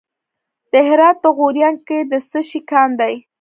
د هرات په غوریان کې د څه شي کان دی؟